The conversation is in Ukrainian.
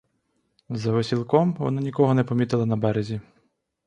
За висілком вони нікого не помітили на березі.